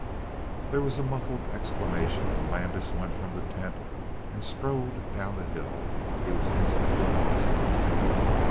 There was a muffled exclamation and Landis went from the tent and strode down the hill; he was instantly lost in the night.